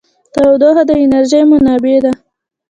تودوخه د انرژۍ منبع ده.